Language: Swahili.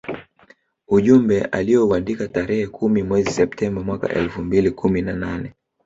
Ujumbe aliouandika tarehe kumi mwezi Septemba mwaka elfu mbili kumi na nane